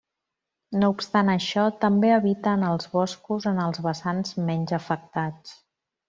No obstant això, també habita en els boscos en els vessants menys afectats.